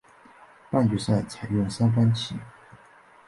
半决赛采用三番棋。